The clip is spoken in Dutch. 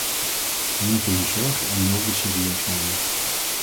We moeten hun zorgen en noden serieus nemen.